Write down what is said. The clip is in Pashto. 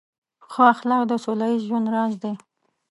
ښه اخلاق د سوله ییز ژوند راز دی.